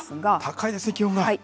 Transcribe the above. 高いですね、気温が。